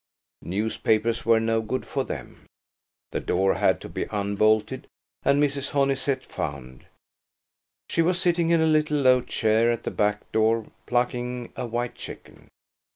Newspapers were no good for them. The door had to be unbolted and Mrs. Honeysett found. She was sitting in a little low chair at the back door plucking a white chicken.